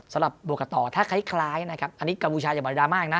สำหรับโบกตอถ้าใครคล้ายนะครับอันนี้กับผู้ชายจะบรรยามากนะ